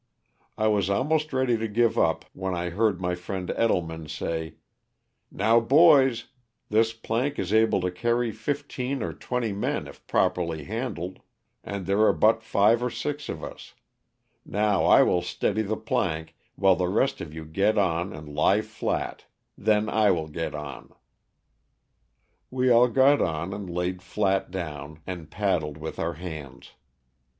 I was almost ready to give up when I heard my friend Ettleman say, *'now boys, this plank is able to carry fifteen or twenty men if properly handled, and there are but five or six of us; now I will steady the plank while the rest of you get on and lie flat, then I will get on.'' We all got on and laid flat down and paddled with our hands.